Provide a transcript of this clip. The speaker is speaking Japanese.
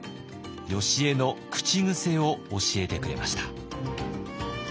よしえの口癖を教えてくれました。